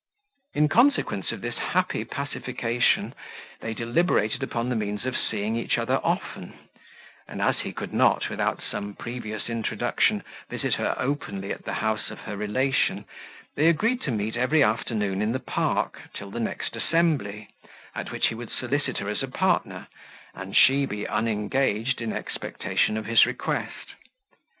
In consequence of this happy pacification, they deliberated upon the means of seeing each other often; and as he could not, without some previous introduction, visit her openly at the house of her relation, they agreed to meet every afternoon in the park till the next assembly, at which he would solicit her as a partner, and she be unengaged, in expectation of his request.